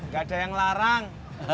gak ada yang larang